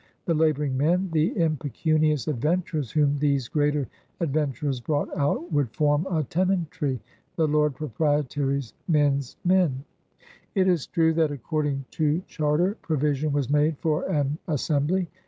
The laboring men — the impe cunious adventurers whom these greater adven turers brought out — would form a tenantry, the Lord Proprietary's men's men. It is true that, according to charter, provision was made for an Assembly.